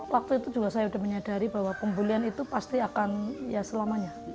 waktu itu juga saya sudah menyadari bahwa pembulian itu pasti akan ya selamanya